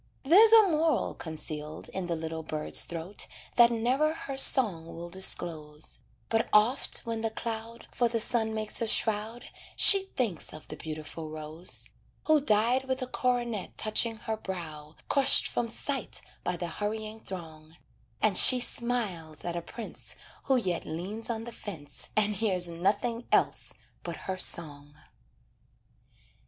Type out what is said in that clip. There's a moral concealed in the little bird's throat That never her song will disclose; But oft when the cloud For the sun makes a shroud She thinks of the beautiful rose, Who died with a coronet touching her brow, Crushed from sight by the hurrying throng, And she smiles at a prince, Who yet leans on the fence And hears nothing else but her song.